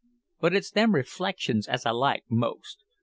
But it's them reflections as I like most.